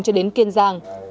cho đến kiên giang